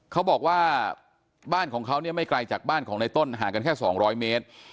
เขาบอกว่าบ้านของเขาเนี่ยไม่ไกลจากบ้านของในต้นห่างกันแค่๒๐๐เมตร